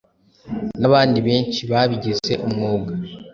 n’abandi benshi babigize umwuga